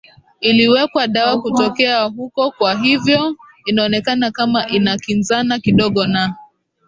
iliwekwa dawa kutokea huko kwa hivyo inaonekana kama inakinzana kidogo na